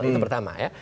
itu pertama ya